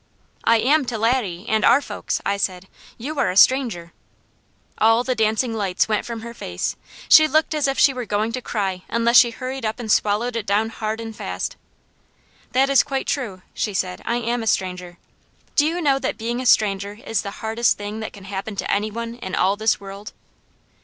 "I am to Laddie and our folks," I said. "You are a stranger." All the dancing lights went from her face. She looked as if she were going to cry unless she hurried up and swallowed it down hard and fast. "That is quite true," she said. "I am a stranger. Do you know that being a stranger is the hardest thing that can happen to any one in all this world?"